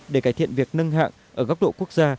để cải thiện việc nâng hạng ở góc độ quốc gia